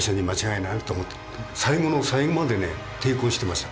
最後の最後まで抵抗してました。